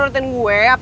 tutupi lebih kuat